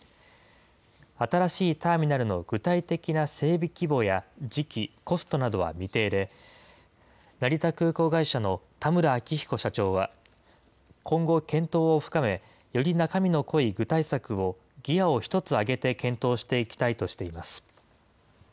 新しいターミナルの具体的な整備規模や時期、コストなどは未定で、成田空港会社の田村明比古社長は、今後、検討を深め、より中身の濃い具体策をギアを一つ上げて検討していきたいとしています。